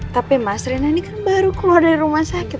tapi mas rena ini kan baru keluar dari rumah sakit